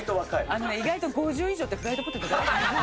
あのね、意外と５０以上ってフライドポテト大好き。